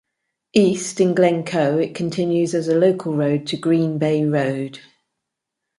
East, in Glencoe, it continues as a local road to Green Bay Road.